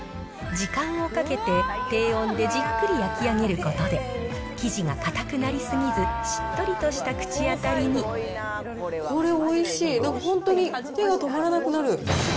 時間をかけて、低温でじっくり焼き上げることで、生地が硬くなりすぎず、しっとりとした口当たりに。これ、おいしい、なんか本当に、手が止まらなくなる。